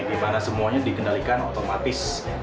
di mana semuanya dikendalikan otomatis